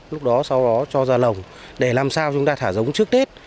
lúc đó sau đó cho ra lồng để làm sao chúng ta thả giống trước tết